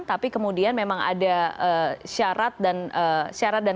tapi kemudian memang ada syarat dan syarat